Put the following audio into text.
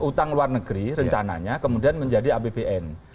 utang luar negeri rencananya kemudian menjadi apbn